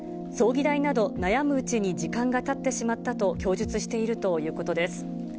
葬儀代など悩むうちに時間がたってしまったと供述しているということです。